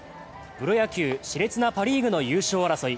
プロ野球、しれつなパ・リーグの優勝争い。